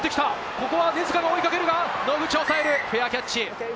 ここは根塚が追いかけるが野口をおさえる、フェアキャッチ。